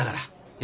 え？